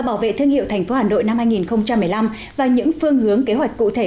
bảo vệ thương hiệu tp hà nội năm hai nghìn một mươi năm và những phương hướng kế hoạch cụ thể